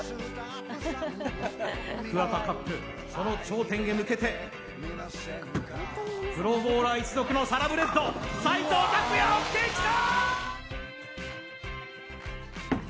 ＫＵＷＡＴＡＣＵＰ、その頂点へ向けて、プロボウラー一族のサラブレッド、斉藤琢哉、持ってきた！